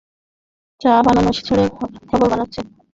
চা বানানো ছেড়ে খবর বানাচ্ছেন?